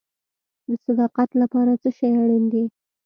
د صداقت لپاره څه شی اړین دی؟